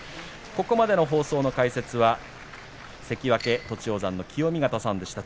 ここまでの解説は関脇栃煌山の清見潟さんでした。